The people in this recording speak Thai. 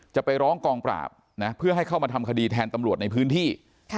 จะไปร้องกองปราบนะเพื่อให้เข้ามาทำคดีแทนตำรวจในพื้นที่